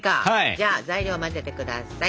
じゃあ材料を混ぜてください。